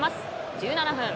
１７分。